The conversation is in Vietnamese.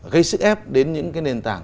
gây sức ép đến những cái nền tảng